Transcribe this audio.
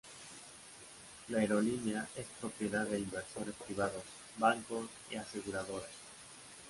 La aerolínea es propiedad de inversores privados, bancos y aseguradoras.